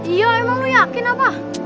iya emang lu yakin apa